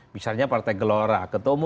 biasanya partai gelora